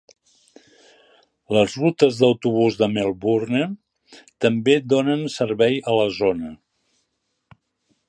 Les rutes d'autobús de Melbourne també donen servei a la zona.